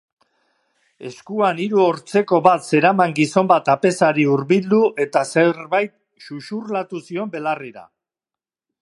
Eskuan hru-hortzeko bat zeraman gizon bat apezari hurbildu eta zerbait xuxurlatu zion belarrira.